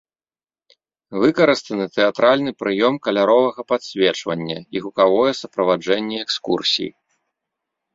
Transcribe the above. Выкарыстаны тэатральны прыём каляровага падсвечвання і гукавое суправаджэнне экскурсій.